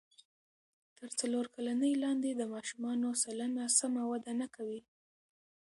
تر څلور کلنۍ لاندې د ماشومانو سلنه سمه وده نه کوي.